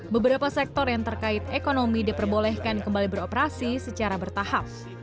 beberapa sektor yang terkait ekonomi diperbolehkan kembali beroperasi secara bertahap